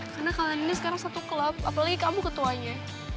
karena kalian ini sekarang satu klub apalagi kamu ketuanya